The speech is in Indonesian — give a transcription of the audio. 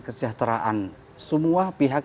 kesejahteraan semua pihak